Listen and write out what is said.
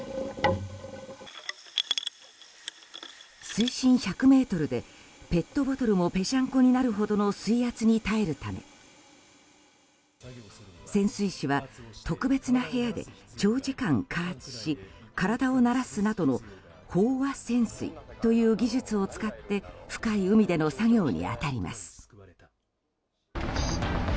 水深１００ｍでペットボトルもぺしゃんこになるほどの水圧に耐えるため潜水士は特別な部屋で長時間、加圧し体を慣らすなどの飽和潜水という技術を使って深い海での作業に当たります。